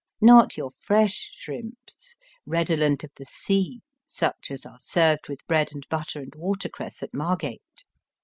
Not your fresh shrimps, redolent of the sea, such as are served with bread and butter and watercress at Margate.